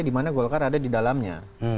dimana golkar ada di dalamnya